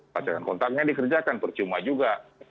pelacakan kontaknya dikerjakan percuma juga